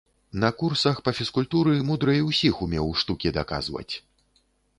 На курсах па фізкультуры мудрэй усіх умеў штукі даказваць.